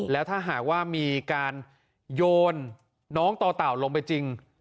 แล้วถ้าหากว่ามีการโยนน้องต่อเต่าลงไปจริง